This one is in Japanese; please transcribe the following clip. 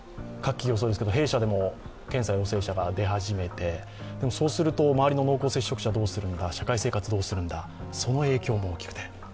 弊社でも、検査陽性者が出始めてそうすると周りの濃厚接触者どうするんだ、社会生活どうするんだ、その影響も大きくて。